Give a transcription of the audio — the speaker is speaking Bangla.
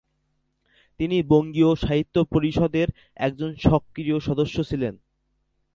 তিনি বঙ্গীয় সাহিত্য পরিষদের একজন সক্রিয় সদস্য ছিলেন।